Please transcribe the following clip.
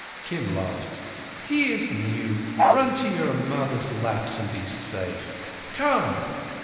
Kim laughed. "He is new. Run to your mothers' laps, and be safe. Come!"